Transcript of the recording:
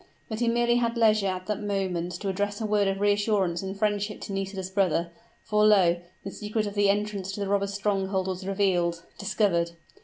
But he merely had leisure at the moment to address a word of reassurance and friendship to Nisida's brother for, lo! the secret of the entrance to the robbers' stronghold was revealed discovered!